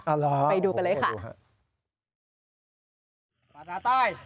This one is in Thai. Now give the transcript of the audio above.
อ่าหรอผมก็ดูค่ะไปดูกันเลยค่ะวันตาต้อย